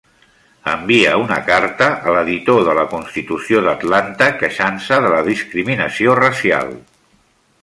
Envia una carta a l'editor de la Constitució d'Atlanta queixant-se de la discriminació racial.